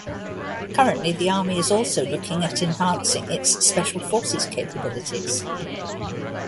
Currently, the army is also looking at enhancing its special forces capabilities.